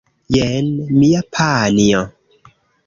Jen mia panjo!